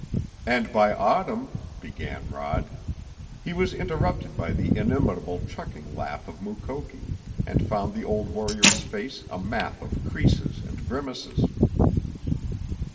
"And by autumn " began Rod. He was interrupted by the inimitable chuckling laugh of Mukoki and found the old warrior's face a map of creases and grimaces.